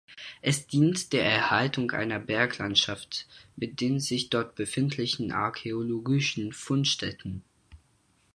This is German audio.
Es dient der Erhaltung einer Berglandschaft mit den sich dort befindlichen archäologischen Fundstätten.